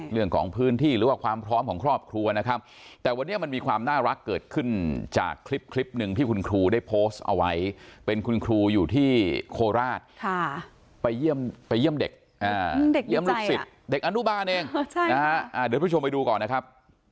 เรื่องของพื้นที่หรือว่าความพร้อมของครอบครัวนะครับแต่วันนี้มันมีความน่ารักเกิดขึ้นจากคลิปคลิปหนึ่งที่คุณครูได้โพสต์เอาไว้เป็นคุณครูอยู่ที่โคราชไปเยี่ยมเด็กเยี่ยมลูกศิษย์เด็กอนุบาลเองนะฮะเดี๋ยวผู้ชมไปดูก่อนนะครับ